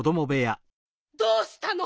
どうしたの？